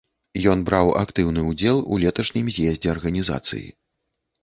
Ён браў актыўны ўдзел у леташнім з'ездзе арганізацыі.